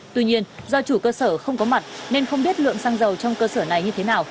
tuy nhiên do chủ cơ sở không có mặt nên không biết lượng xăng dầu trong cơ sở này như thế nào